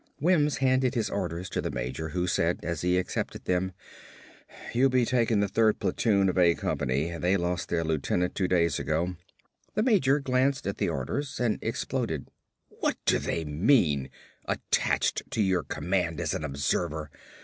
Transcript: Wims handed his orders to the major who said as he accepted them, "You'll be taking the third platoon of A company. They lost their lieutenant two days ago." The major glanced at the orders and exploded. "What do they mean, 'attached to your command as an observer'?